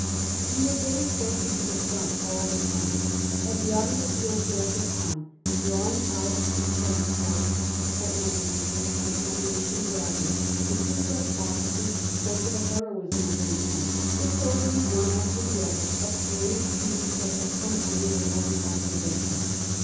We were getting closer to the front all the time. As the automobile jolted on, drawing out for transports, for ambulances and ammunition wagons, the two French officers spoke of the heroism of their men. They told me, one after the other, of brave deeds that had come under their own observation.